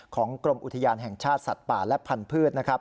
กรมอุทยานแห่งชาติสัตว์ป่าและพันธุ์นะครับ